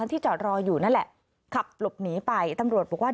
ที่จอดรออยู่นั่นแหละขับหลบหนีไปตำรวจบอกว่า